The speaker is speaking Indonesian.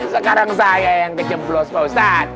sekarang saya yang dijemblos pa ustadz